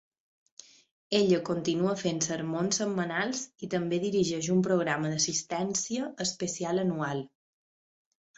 Ella continua fent sermons setmanals i també dirigeix un programa d'assistència especial anual.